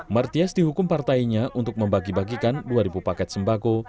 martias dihukum partainya untuk membagi bagikan dua paket sembako